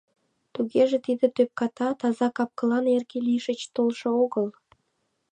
Тугеже тиде тӧпката, таза кап-кылан эрге лишыч толшо огыл?..